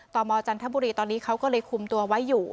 ตมจันทบุรีตอนนี้เขาก็เลยคุมตัวไว้อยู่